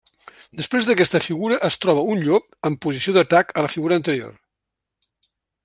Després d'aquesta figura es troba un llop en posició d'atac a la figura anterior.